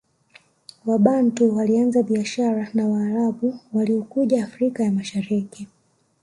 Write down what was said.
Wabantu walianza biashara na Waarabu waliokuja Afrika ya Mashariki